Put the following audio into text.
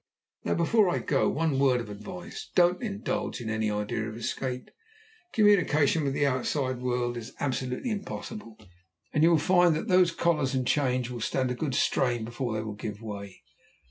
Now, before I go, one word of advice. Don't indulge in any idea of escape. Communication with the outside world is absolutely impossible, and you will find that those collars and chains will stand a good strain before they will give way.